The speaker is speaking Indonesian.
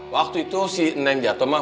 waktu itu si neng jatuh mah